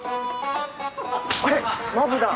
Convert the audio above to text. あれマブだ。